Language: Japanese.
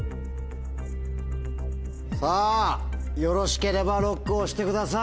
さぁよろしければＬＯＣＫを押してください。